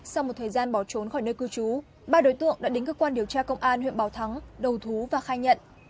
sau một thời gian bỏ trốn khỏi nơi cư trú ba đối tượng đã đến cơ quan điều tra công an huyện bảo thắng đầu thú và khai nhận